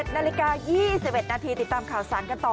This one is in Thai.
๑นาฬิกา๒๑นาทีติดตามข่าวสารกันต่อ